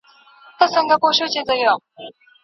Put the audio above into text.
هغه هيڅکله په خپل ذهن کي چا ته بد خیالونه نه دي روزلي.